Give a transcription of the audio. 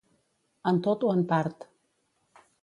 En tot o en part.